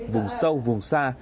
vùng sâu vùng xa